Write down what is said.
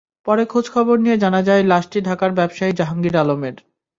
পরে খোঁজ খবর নিয়ে জানা যায়, লাশটি ঢাকার ব্যবসায়ী জাহাঙ্গীর আলমের।